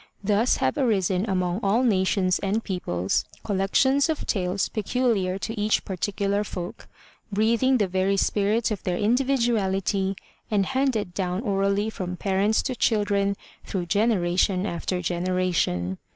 Thus have arisen among all nations and peoples col lections of tales peculiar to each particular folk, breathing the very spirit of their individuality and handed down orally from parents to children through generation after generation.